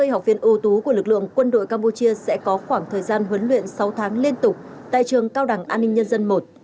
ba mươi học viên ưu tú của lực lượng quân đội campuchia sẽ có khoảng thời gian huấn luyện sáu tháng liên tục tại trường cao đẳng an ninh nhân dân i